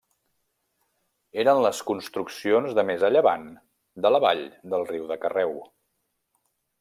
Eren les construccions de més a llevant de la vall del riu de Carreu.